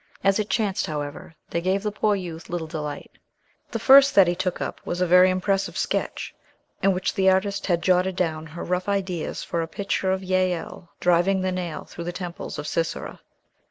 As it chanced, however, they gave the poor youth little delight. The first that he took up was a very impressive sketch, in which the artist had jotted down her rough ideas for a picture of Jael driving the nail through the temples of Sisera.